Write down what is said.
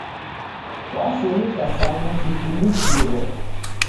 Wafunikira Sangu kifindikiro